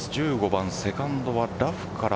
１５番セカンドはラフから。